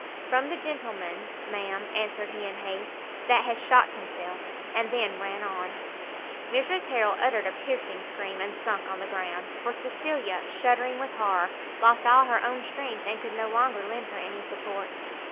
"From the gentleman, ma'am," answered he in haste, "that has shot himself," and then ran on. Mrs Harrel uttered a piercing scream, and sunk on the ground; for Cecilia, shuddering with horror, lost all her own strength, and could no longer lend her any support.